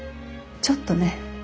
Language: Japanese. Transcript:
ちょっとね。